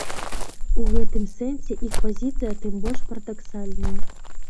У гэтым сэнсе іх пазіцыя тым больш парадаксальная.